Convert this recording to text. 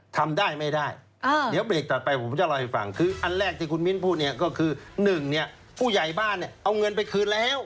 ทำได้ไม่ได้เดี๋ยวเบรกถัดไปผมจะเล่าให้ฟังคืออันแรกที่คุณมิ้นพูดเนี่ยก็คือ๑เนี่ยผู้ใหญ่บ้านเนี่ยเอาเงินไปคืนแล้ว